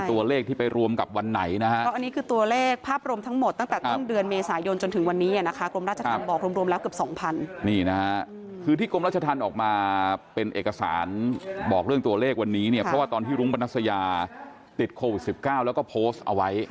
ติดโควิด๑๙และก็พบเอาไว้